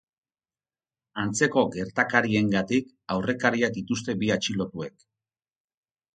Antzeko gertakariengatik aurrekariak dituzte bi atxilotuek.